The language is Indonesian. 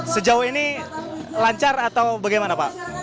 sejauh ini lancar atau bagaimana pak